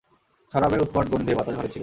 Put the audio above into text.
শরাবের উৎকট গন্ধে বাতাস ভারী ছিল।